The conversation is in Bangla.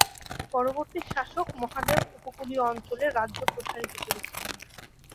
পরবর্তী শাসক মহাদেব উপকূলীয় অঞ্চলে রাজ্য প্রসারিত করেছিলেন।